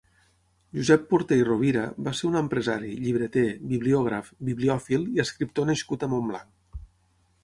Josep Porter i Rovira va ser un empresari, llibreter, bibliògraf, bibliòfil i escriptor nascut a Montblanc.